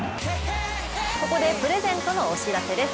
ここでプレゼントのお知らせです。